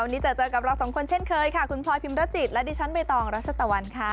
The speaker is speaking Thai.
วันนี้เจอเจอกับเราสองคนเช่นเคยค่ะคุณพลอยพิมรจิตและดิฉันใบตองรัชตะวันค่ะ